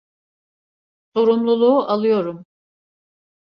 Sorumluluğu alıyorum.